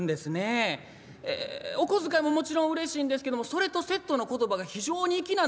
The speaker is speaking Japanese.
えお小遣いももちろんうれしいんですけどもそれとセットの言葉が非常に粋なんですよ。